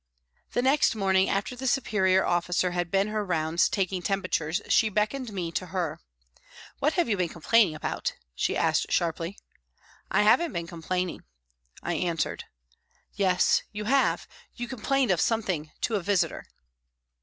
The next morning after the superior officer had been her rounds taking temperatures, she beckoned me to her. " What have you been complaining about ?" she asked sharply. " I haven't been com plaining," I answered. " Yes, you have you com plained of something to a visitor."